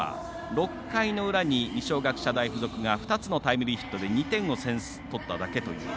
６回の裏に二松学舎大付属が２つのタイムリーヒットで２点を取っただけという。